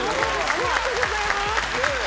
ありがとうございます！